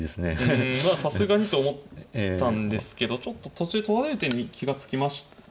うんさすがにと思ったんですけどちょっと途中取られる手に気が付きまし。